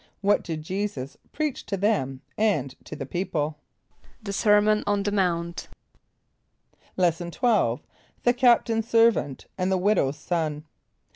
= What did J[=e]´[s+]us preach to them and to the people? =The sermon on the mount.= Lesson XII. The Captain's Servant and the Widow's Son.